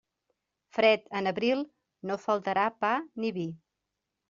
Fred en abril, no faltarà pa ni vi.